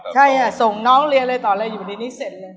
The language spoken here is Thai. ใช่อ่ะส่งน้องเรียนเลยตอนเราอยู่ดีนี้เสร็จเลย